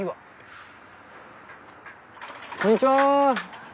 こんにちは！